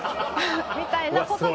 みたいなことが。